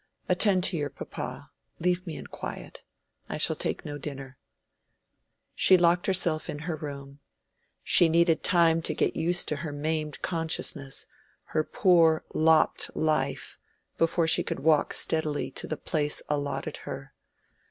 Attend to your papa. Leave me in quiet. I shall take no dinner." She locked herself in her room. She needed time to get used to her maimed consciousness, her poor lopped life, before she could walk steadily to the place allotted her.